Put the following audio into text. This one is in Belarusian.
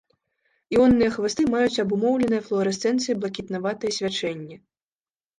Іонныя хвасты маюць абумоўленае флуарэсцэнцыяй блакітнаватае свячэнне.